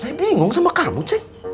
saya bingung sama karbut cek